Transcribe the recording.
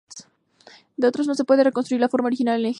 De otros no se puede reconstruir la forma original en egipcio.